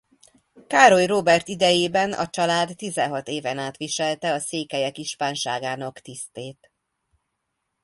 Károly Róbert idejében a család tizenhat éven át viselte a székelyek ispánságának tisztét.